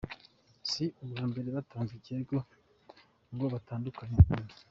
Si ubwa mbere batanze ikirego ngo batandukane burundu.